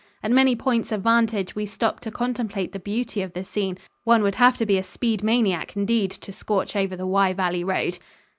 At many points of vantage we stopped to contemplate the beauty of the scene one would have to be a speed maniac indeed to "scorch" over the Wye Valley road.